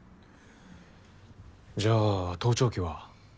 じゃあ盗聴器は？